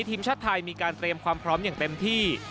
ทีมชาติไทยมีการเตรียมความพร้อมอย่างเต็มที่